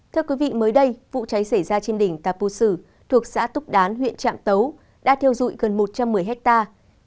thưa quý vị mới đây vụ cháy xảy ra trên đỉnh tà pù sử thuộc xã túc đán huyện trạm tấu đã thiêu dụi gần một trăm một mươi hectare